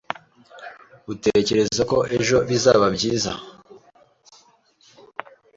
Utekereza ko ejo bizaba byiza?